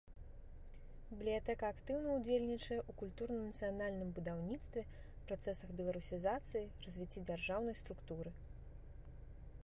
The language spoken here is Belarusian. Бібліятэка актыўна ўдзельнічае ў культурна-нацыянальным будаўніцтве, працэсах беларусізацыі, развіцці дзяржаўнай структуры.